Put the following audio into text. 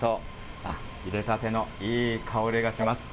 あっ、いれたてのいい香りがします。